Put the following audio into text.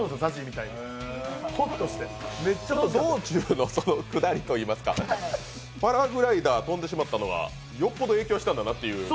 道中のくだりといいますかパラグライダー飛んでしまったのはよっぽど影響したんだなという。